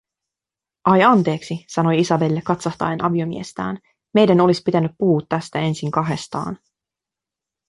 “Ai, anteeksi”, sanoi Isabelle katsahtaen aviomiestään, “meidän olis pitäny puhuu tästä ensin kahestaan.”